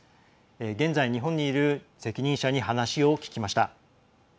現在日本にいる責任者に話を聞きました。